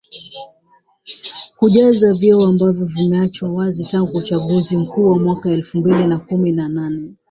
kujaza vyeo ambavyo vimeachwa wazi tangu uchaguzi mkuu wa mwaka elfu mbili na kumi na nane